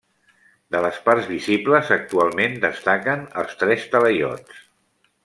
De les parts visibles actualment destaquen els tres talaiots.